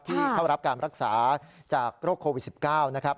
ที่เข้ารับการรักษาจากโรคโควิด๑๙นะครับ